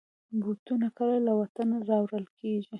بوټونه کله له وطنه راوړل کېږي.